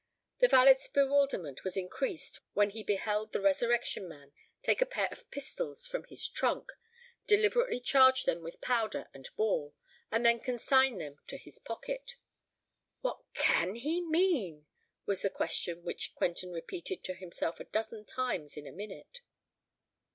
The valet's bewilderment was increased when he beheld the Resurrection Man take a pair of pistols from his trunk, deliberately charge them with powder and ball, and then consign them to his pocket. "What can he mean?" was the question which Quentin repeated to himself a dozen times in a minute.